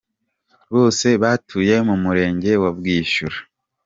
Bose batuye mu murenge wa Bwishyura.